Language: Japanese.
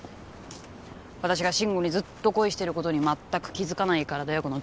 私が慎吾にずっと恋してることにまったく気づかないからだよ